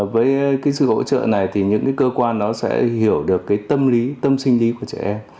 với sự hỗ trợ này thì những cơ quan sẽ hiểu được tâm lý tâm sinh lý của trẻ em